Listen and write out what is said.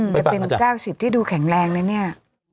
แบรนด์๙๐ที่ดูแข็งแรงเลยเนี่ย